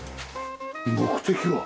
目的は？